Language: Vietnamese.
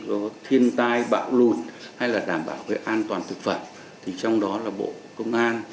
có thiên tai bạo lụt hay là đảm bảo cái an toàn thực phẩm thì trong đó là bộ công an